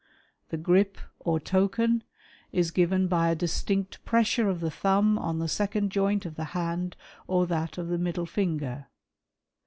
"The grip, or token, is given by a distinct pressure of the " thumb on the second joint of the hand or that of the middle "finger.